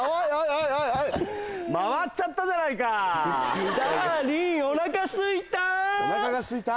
おいおい回っちゃったじゃないかダーリンおなかすいたおなかがすいた？